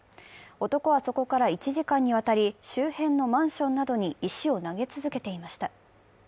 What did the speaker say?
男はそこから１時間にわたり周辺のマンションなどに石を投げ続けていました。